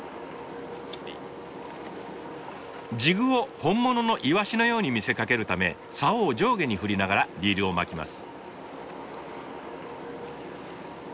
ジグを本物のイワシのように見せかけるためサオを上下に振りながらリールを巻きます。